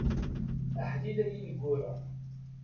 Aḥlil ay ineggura.